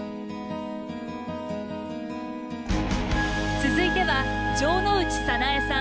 続いては城之内早苗さん